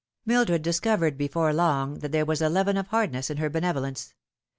Mildred discovered before long that there was a leaven of hardness in her benevolence.